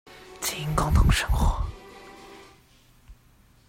經營共同生活